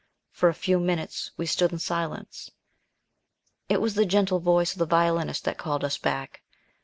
For a few minutes we stood in silence. It was the gentle voice of the Violinist that called us back.